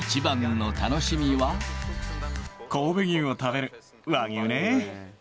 神戸牛を食べる、和牛ね。